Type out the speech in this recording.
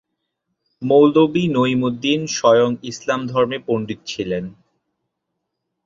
মৌলবি নইমুদ্দীন স্বয়ং ইসলাম ধর্মে পন্ডিত ছিলেন।